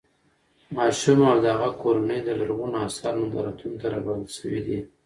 ماشوم او د هغه کورنۍ د لرغونو اثارو نندارتون ته رابلل شوي دي.